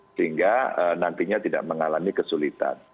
sehingga nantinya tidak mengalami kesulitan